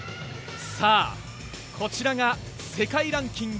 さあ、こちらが世界ランキング